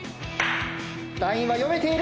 ラインは読めている。